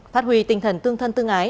phát huy tinh thần tương thân tương ái